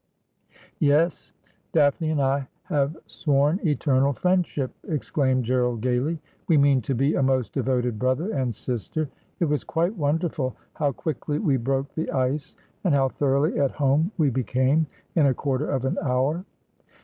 ' Yes ; Daphne and I have sworn eternal friendship,' ex claimed Gerald gaily. ' We mean to be a most devoted brother and sister. It was quite wonderful how quickly we broke the ice, and how thoroughly at home we became in a quarter of an hour.'